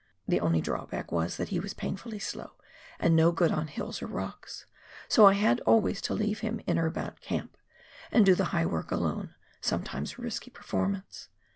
The only drawback was that he was painfully slow, and no good on hills or rocks, so I had always tp leave him, in or about camp, and do the high work alone — sometimes a risky performance.